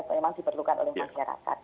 memang diperlukan oleh masyarakat